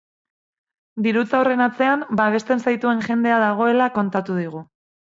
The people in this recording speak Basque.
Dirutza horren atzean babesten zaituen jendea dagoela kontatu digu.